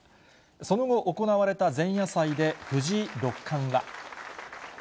その後、行われた前夜祭で、藤井六冠は。